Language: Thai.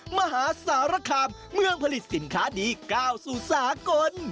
มหาสารคามเมืองผลิตสินค้าดีก้าวสู่สากล